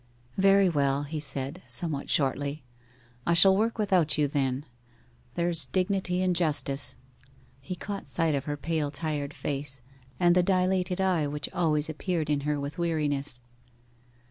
'Very well,' he said, somewhat shortly; 'I shall work without you then. There's dignity in justice.' He caught sight of her pale tired face, and the dilated eye which always appeared in her with weariness.